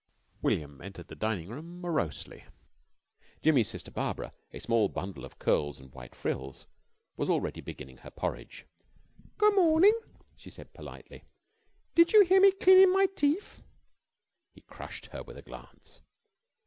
William entered the dining room morosely. Jimmy's sister Barbara a small bundle of curls and white frills was already beginning her porridge. "Goo' mornin'," she said, politely, "did you hear me cleanin' my teef?" He crushed her with a glance.